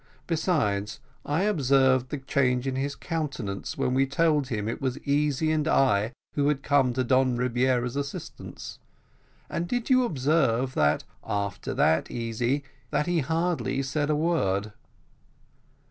Besides, I observed the change in his countenance when we told him it was Easy and I who had come to Don Rebiera's assistance; and did you observe after that, Easy, that he hardly said a word?"